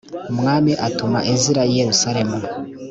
umwami atuma ezira i yerusalemu